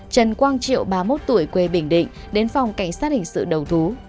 trần quang triệu ba mươi một tuổi quê bình định đến phòng cảnh sát hình sự đầu thú